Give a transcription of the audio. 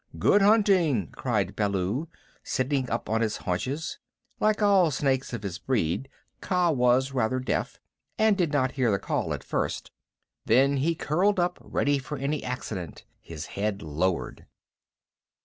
"Good hunting!" cried Baloo, sitting up on his haunches. Like all snakes of his breed Kaa was rather deaf, and did not hear the call at first. Then he curled up ready for any accident, his head lowered.